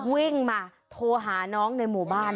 วิ่งมาโทรหาน้องในหมู่บ้าน